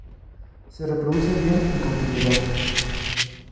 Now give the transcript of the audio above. Se reproduce bien en cautividad.